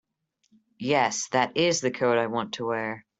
Yes, that IS the coat I want to wear.